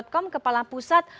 di kabupaten bogor jawa barat